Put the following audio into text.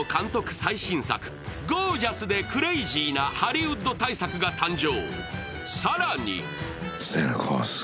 最新作、ゴージャスでクレイジーなハリウッド大作が誕生。